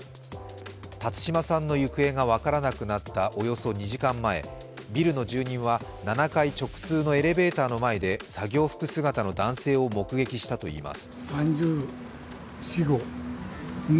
辰島さんの行方が分からなくなったおよそ２時間前、ビルの住人は７階直通のエレベーターの前で作業服姿の男性を目撃したといいます。